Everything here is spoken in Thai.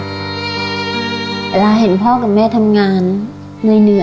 เวลาเห็นพ่อกับแม่ทำงานเหนื่อย